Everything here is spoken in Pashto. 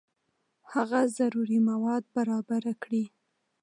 هغه ضروري مواد برابر کړي.